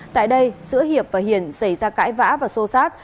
tại đây giữa hiệp và hiền xảy ra cãi vã và xô xác